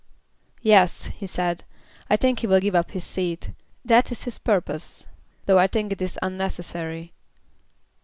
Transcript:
"Yes," he said, "I think he will give up his seat. That is his purpose, though I think it is unnecessary."